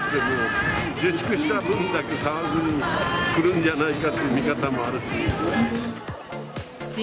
自粛した分だけ、騒ぎに来るんじゃないかという見方もあるし。